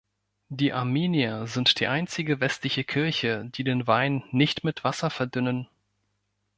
Die Armenier sind die einzige westliche Kirche, die den Wein nicht mit Wasser verdünnen.